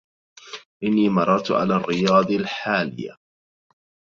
إني مررت على الرياض الحاليه